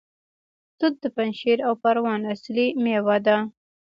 توت د پنجشیر او پروان اصلي میوه ده.